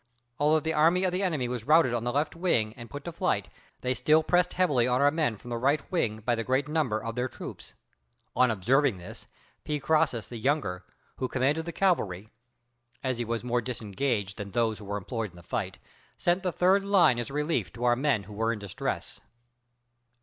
Although the army of the enemy was routed on the left wing and put to flight, they still pressed heavily on our men from the right wing, by the great number of their troops. On observing this, P. Crassus the Younger, who commanded the cavalry, as he was more disengaged than those who were employed in the fight, sent the third line as a relief to our men who were in distress.